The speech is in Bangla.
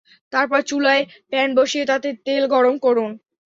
তারপর চুলায় প্যান বসিয়ে তাতে তেল গরম করুন।